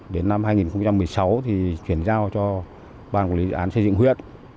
đến năm hai nghìn một mươi sáu thì chuyển giao cho ban quản lý dự án xây dựng huyện